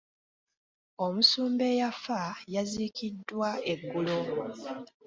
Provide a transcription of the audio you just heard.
Omusumba eyafa yaziikiddwa eggulo.